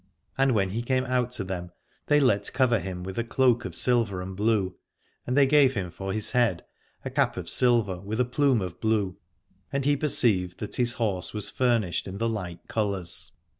And when he came out to them they let cover him with a cloak of silver and blue, and they gave him for his head a cap of silver with a plume of blue, and he perceived that his horse was furnished in the like colours.